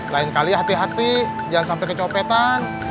lain kali hati hati jangan sampai kecopetan